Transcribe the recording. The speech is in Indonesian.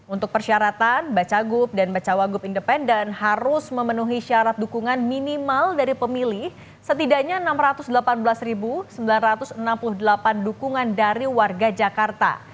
untuk persyaratan bacagub dan bacawagup independen harus memenuhi syarat dukungan minimal dari pemilih setidaknya enam ratus delapan belas sembilan ratus enam puluh delapan dukungan dari warga jakarta